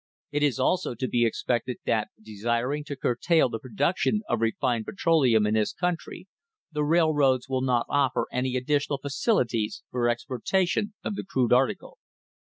Is it also to be expected that, desiring to curtail the production of refined petroleum in this country, the railroads will not offer any additional facilities for exportation of the crude article."